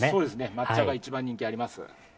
抹茶が一番人気があります。